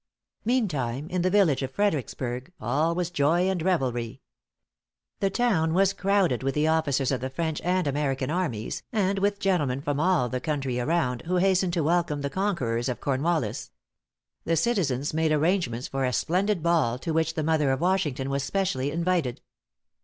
_ "Meantime, in the village of Fredericksburg, all was joy and revelry. The town was crowded with the officers of the French and American armies, and with gentlemen from all the country around, who hastened to welcome the conquerors of Cornwallis. The citizens made arrangements for a splendid ball, to which the mother of Washington was specially invited.